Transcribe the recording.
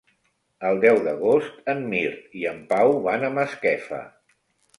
El deu d'agost en Mirt i en Pau van a Masquefa.